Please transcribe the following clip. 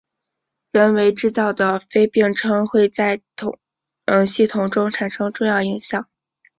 人为制造的非对称会在系统中产生重要影响。